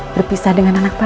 berpisah dengan anak bapak